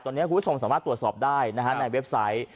ตอนนี้คุณผู้ชมสามารถตรวจสอบได้นะฮะในเว็บไซต์